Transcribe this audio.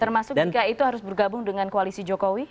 termasuk jika itu harus bergabung dengan koalisi jokowi